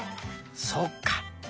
そっか。